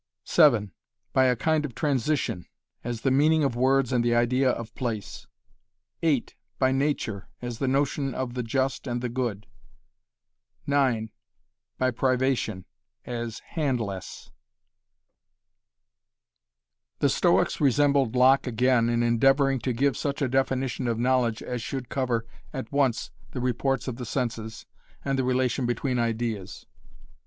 (7) by a kind of transition, as the meaning of words and the idea of place. (8)by nature, as the notion of the just and the good (9)by privation, as handless The Stoics resembled Locke again in endeavoring to give such a definition of knowledge as should cover at once the reports of the senses and the relation between ideas.